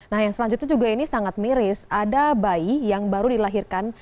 nah yang selanjutnya juga ini sangat miris ada bayi yang baru dilahirkan